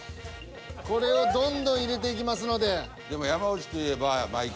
これをどんどん入れていきますので。